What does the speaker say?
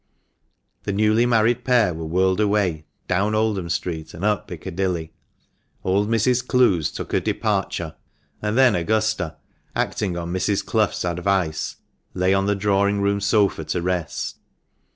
The newly married pair were whirled away down Oldham Street and up Piccadilly ; old Mrs. Clowes took her departure, and then Augusta, acting on Mrs. Clough's advice, lay on the drawing room sofa to rest.